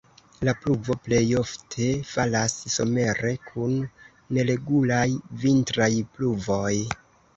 La pluvo plejofte falas somere, kun neregulaj vintraj pluvoj.